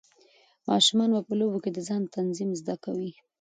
ماشومان په لوبو کې د ځان تنظیم زده کوي.